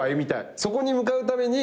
そこに向かうために。